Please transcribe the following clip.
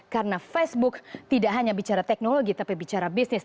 karena facebook tidak hanya bicara teknologi tapi bicara bisnis